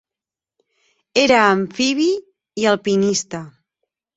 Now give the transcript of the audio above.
Era amfibi i alpinista.